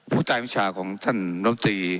ผู้ใต้วิชาของท่านนมตรี